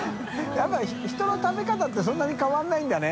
笋辰僂人の食べ方ってそんなに変わらないんだね。